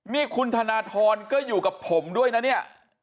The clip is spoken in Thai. นี่คุณธนทรก็อยู่กับผมด้วยนะเนี่ย